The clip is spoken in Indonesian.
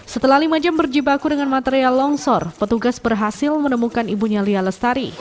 setelah lima jam berjibaku dengan material longsor petugas berhasil menemukan ibunya lia lestari